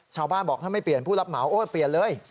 ชาวบ้านบอกถ้าไม่เปลี่ยนผู้รับเหมาโอ๊ยเปลี่ยนเลย